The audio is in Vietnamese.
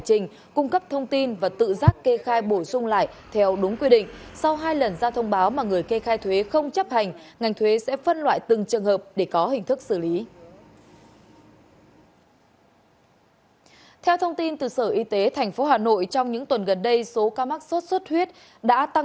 theo thống kê của trung tâm kiểm soát bệnh tật hà nội số ca mắc sốt xuất huyết năm hai nghìn hai mươi hai